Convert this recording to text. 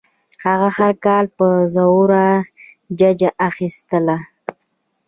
هغه هر کال په زوره ججه اخیستله.